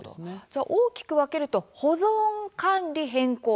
じゃ大きく分けると保存管理変更